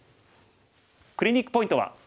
クリニックポイントは。